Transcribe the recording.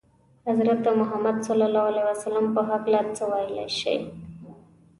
د حضرت محمد ﷺ په هکله څه ویلای شئ؟